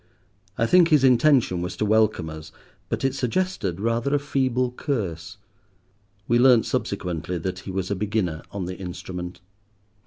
I think his intention was to welcome us, but it suggested rather a feeble curse. We learnt subsequently that he was a beginner on the instrument.